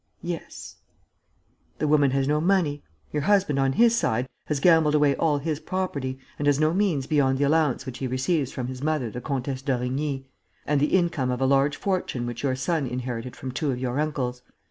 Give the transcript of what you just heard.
"Yes." "The woman has no money. Your husband, on his side, has gambled away all his property and has no means beyond the allowance which he receives from his mother, the Comtesse d'Origny, and the income of a large fortune which your son inherited from two of your uncles.